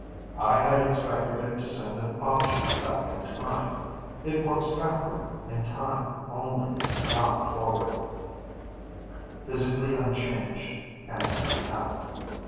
I had expected it to send an object back in time it works backward in time only, not forward physically unchanged and intact.